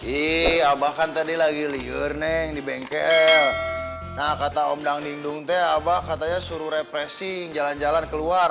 ih abah kan tadi lagi liur neng di bengkel nah kata om dang ding dung teh abah katanya suruh repressing jalan jalan keluar